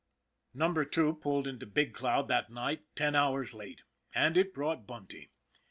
NUMBER Two pulled into Big Cloud that night ten hours late, and it brought Bunty.